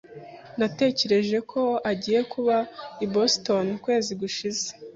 Natekereje ko agiye kuba i Boston ukwezi gushize.